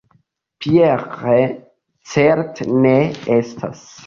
Pierre certe ne estas.